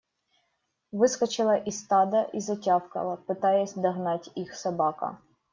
Выскочила из стада и затявкала, пытаясь догнать их, собака.